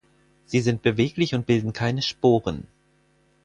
Sie sind beweglich und bilden keine Sporen.